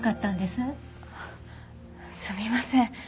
すみません。